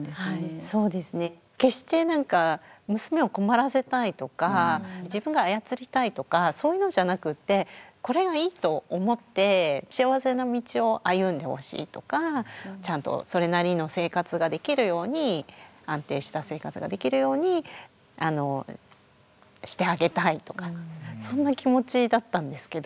決してなんか娘を困らせたいとか自分が操りたいとかそういうのじゃなくてこれがいいと思って幸せな道を歩んでほしいとかちゃんとそれなりの生活ができるように安定した生活ができるようにしてあげたいとかそんな気持ちだったんですけど。